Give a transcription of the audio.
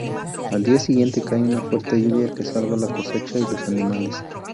Al día siguiente, cae una fuerte lluvia que salva la cosecha y los animales.